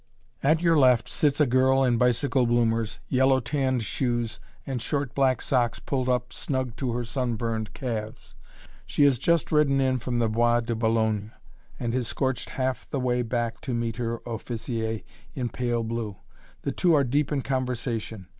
At your left sits a girl in bicycle bloomers, yellow tanned shoes, and short black socks pulled up snug to her sunburned calves. She has just ridden in from the Bois de Boulogne, and has scorched half the way back to meet her "officier" in pale blue. The two are deep in conversation.